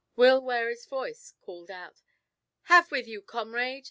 Will Wherry's voice called out, "Have with you, comrade!"